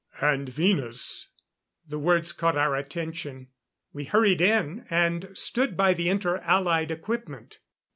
"And Venus " The words caught our attention. We hurried in, and stood by the Inter Allied equipment.